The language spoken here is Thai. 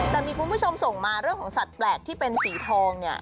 แต่มีคุณผู้ชมส่งมาเรื่องของสัตว์แปลกที่เป็นสีทองเนี่ย